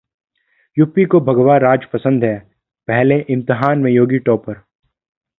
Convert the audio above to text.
UP को भगवा राज पसंद है, पहले इम्तिहान में योगी टॉपर!